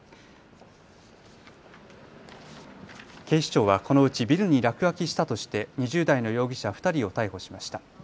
警視庁はこのうちビルに落書きしたとして２０代の容疑者２人を逮捕しました。